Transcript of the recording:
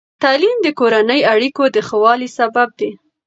تعلیم د کورني اړیکو د ښه والي سبب دی.